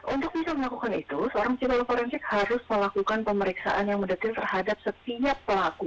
untuk bisa melakukan itu seorang psikolog forensik harus melakukan pemeriksaan yang mendetil terhadap setiap pelaku